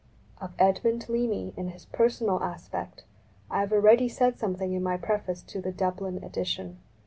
Of Edmund Leamy, in his personal aspect, I have already said something in my preface to the Dublin edition.